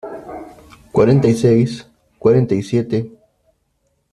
cuarenta y seis, cuarenta y siete.